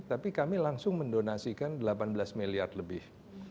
tapi kami langsung mendonasikan delapan belas miliar lebih